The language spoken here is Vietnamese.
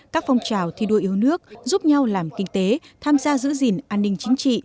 các phong trào thi đua yêu nước giúp nhau làm kinh tế tham gia giữ gìn an ninh chính trị